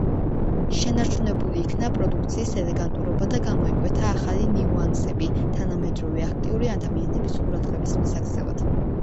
შენარჩუნებული იქნა პროდუქციის ელეგანტურობა და გამოიკვეთა ახალი ნიუანსები თანამედროვე, აქტიური ადამიანების ყურადღების მისაქცევად.